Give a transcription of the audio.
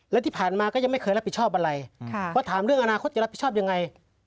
และที่ผ่านมาก็ยังไม่เคยรับผิดชอบอะไรเพราะถามเรื่องอนาคตจะรับผิดชอบยังไง